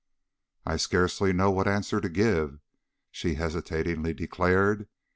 "I scarcely know what answer to give," she hesitatingly declared.